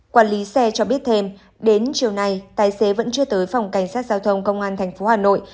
quản lý xe cho biết thêm đến chiều nay tài xế vẫn chưa tới phòng cảnh sát giao thông công an tp hà nội